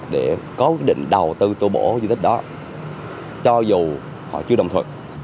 để có quyết định đầu tư tu bổ di tích đó cho dù họ chưa đồng thuận